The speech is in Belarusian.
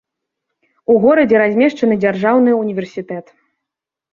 У горадзе размешчаны дзяржаўны ўніверсітэт.